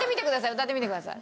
歌ってみてください。